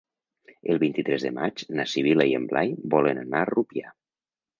El vint-i-tres de maig na Sibil·la i en Blai volen anar a Rupià.